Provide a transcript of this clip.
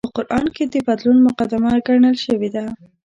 په قران کې د بدلون مقدمه ګڼل شوې ده